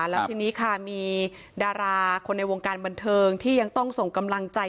แล้วทีนี้ค่ะมีดาราคนในวงการบันเทิงที่ยังต้องส่งกำลังใจ